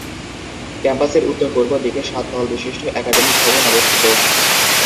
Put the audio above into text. ক্যাম্পাসের উত্তরপূর্ব দিকে সাত তল বিশিষ্ট অ্যাকাডেমিক ভবন অবস্থিত।